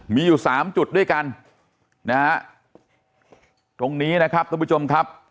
มีอยู่สามจุดด้วยกันนะฮะตรงนี้นะครับทุกผู้ชมครับ